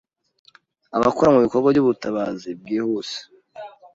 Abakora mu bikorwa by'ubutabazi bwihuse